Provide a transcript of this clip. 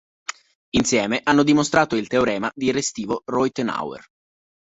Insieme hanno dimostrato il teorema di Restivo-Reutenauer.